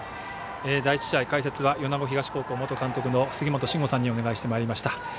第１試合解説は米子東高校元監督の杉本真吾さんにお願いしてまいりました。